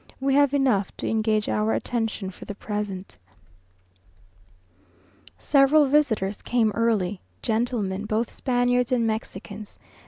We have enough to engage our attention for the present. Several visitors came early gentlemen, both Spaniards and Mexicans.